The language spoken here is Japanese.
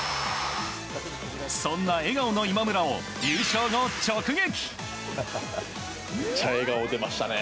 そんな笑顔の今村を優勝後、直撃。